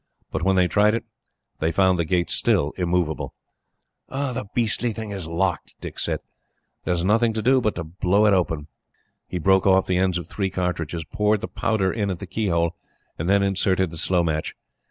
But when they tried it, they found the gate still immovable. "The beastly thing is locked," Dick said. "There is nothing to do, but to blow it open." He broke off the ends of three cartridges, poured the powder in at the keyhole, and then inserted the slow match.